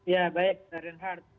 ya baik renhard